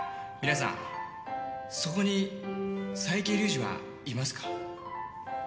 皆さんそこに佐伯竜二はいますか？